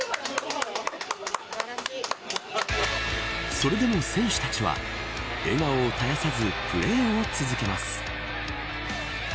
それでも選手たちは笑顔を絶やさずプレーを続けます。